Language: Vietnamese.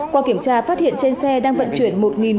qua kiểm tra phát hiện trên xe đang vận chuyển